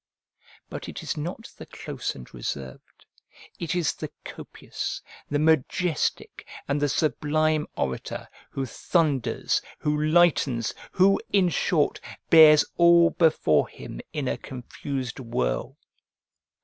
But it is not the close and reserved; it is the copious, the majestic, and the sublime orator, who thunders, who lightens, who, in short, bears all before him in a confused whirl.